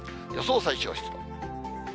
予想最小湿度。